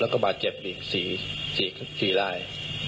แล้วก็บาดเจ็บอีก๔ราย